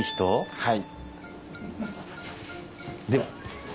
はい。